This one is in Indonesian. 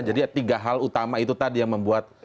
jadi tiga hal utama itu tadi yang membuat